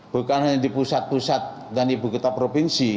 bukan hanya di pusat pusat dan di bukit bukit provinsi